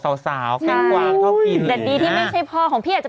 สาวแก้งกวางเข้ากินแดดดี้ที่ไม่ใช่พ่อของพี่อาจจะ